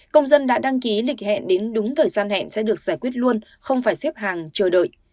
công dân đã đăng ký lịch hẹn đến đúng thời gian hẹn sẽ được giải quyết luôn không phải xếp hàng chờ đợi